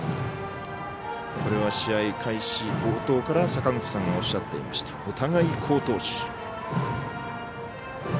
試合開始冒頭から坂口さんがおっしゃっていましたお互い好投手。